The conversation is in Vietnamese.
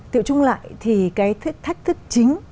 tiệu chung lại thì thách thức chính